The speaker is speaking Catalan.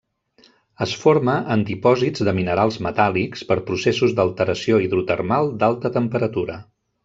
Es forma en dipòsits de minerals metàl·lics per processos d'alteració hidrotermal d'alta temperatura.